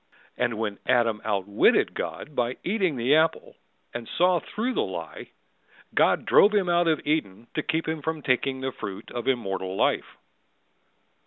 And when Adam outwitted God by eating the apple And saw through the lie, God drove him out of Eden to keep him from taking The fruit of immortal life.